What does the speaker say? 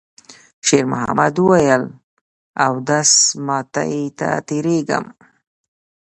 شېرمحمد وویل: «اودس ماتی ته تېرېږم.»